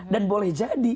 dan boleh jadi